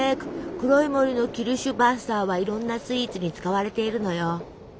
黒い森のキルシュヴァッサーはいろんなスイーツに使われているのよ！